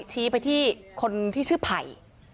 ชี้ไปที่คนที่ชื่อไผ่